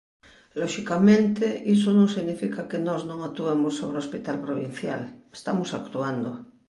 Loxicamente, iso non significa que nós non actuemos sobre o hospital provincial; estamos actuando.